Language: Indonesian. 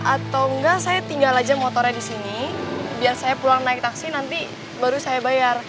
atau enggak saya tinggal aja motornya di sini biar saya pulang naik taksi nanti baru saya bayar